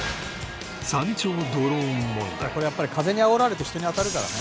「これやっぱり風にあおられて人に当たるからね」